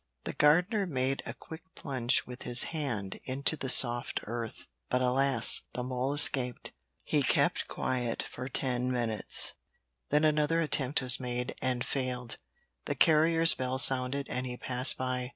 The gardener made a quick plunge with his hand into the soft earth, but alas! the mole escaped. He kept quiet for ten minutes, then another attempt was made, and failed. The carrier's bell sounded and he passed by.